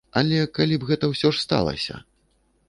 Але калі б гэта ўсё ж сталася?